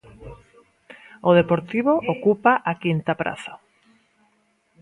O Deportivo ocupa a quinta praza.